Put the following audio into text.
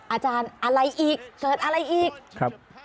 อาจารย์อะไรอีกเกิดอะไรอีกครับ